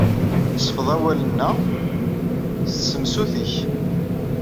Sfeḍ awalen-a s tsemsut-nnek.